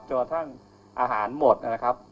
จนถ้าอาหารหมดนะครับ